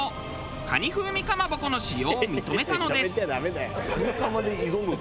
蟹風味かまぼこの使用を認めたのです。